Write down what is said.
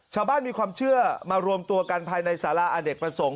ชาวบ้านมีความเชื่อมารวมตัวกันภายในสาราอเนกประสงค์